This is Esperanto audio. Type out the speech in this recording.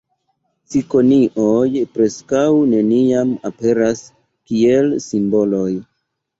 Cikonioj preskaŭ neniam aperas kiel simboloj.